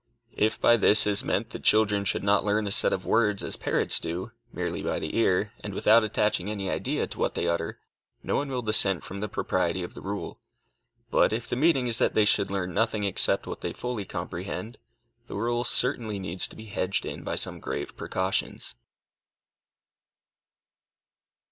If by this is meant that children should not learn a set of words as parrots do, merely by the ear, and without attaching any idea to what they utter, no one will dissent from the propriety of the rule. But if the meaning is that they should learn nothing except what they fully comprehend, the rule certainly needs to be hedged in by some grave precautions.